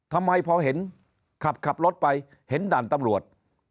ทำไมพอเห็นขับรถไปเห็นด่านตำรวจ